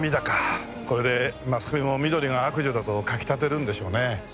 これでマスコミも美登里が悪女だと書き立てるんでしょうね。